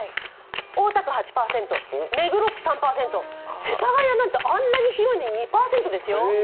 大田区８％、目黒区３％、世田谷なんてあんなに広いのに２％ですよ。